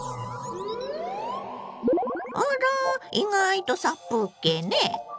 あら意外と殺風景ね。